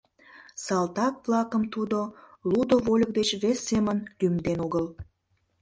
Салтак-влакым тудо «лудо вольык» деч вес семын лӱмден огыл.